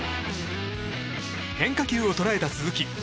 変化球を捉えた鈴木。